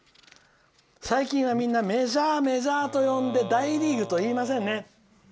最近はみんなメジャー、メジャーと呼んで大リーグと言いませんね。